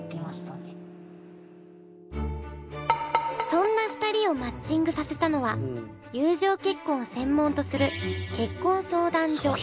そんな２人をマッチングさせたのは友情結婚を専門とする結婚相談所。